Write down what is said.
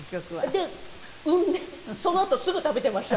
で産んでそのあとすぐ食べてました。